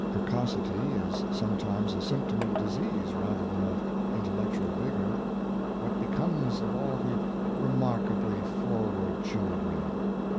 Precocity is sometimes a symptom of disease rather than of intellectual vigor. What becomes of all the "remarkably forward children.